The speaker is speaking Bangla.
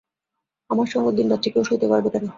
আমার সঙ্গ দিনরাত্রি কেউ সইতে পারবে কেন!